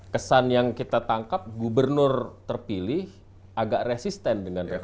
kesan yang kita tangkap gubernur terpilih agak resisten dengan rekomendasi